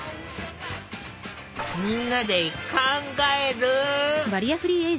みんなで考える。